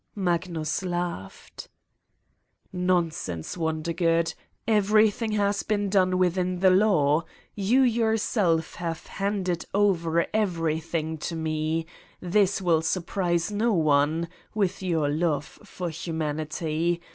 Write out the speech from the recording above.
Magnus laughed. *' Nonsense, Wondergood ! Everything has been done within the law. You, yourself, have handed over everything to me. This will surprise no one ... with your love for humanity.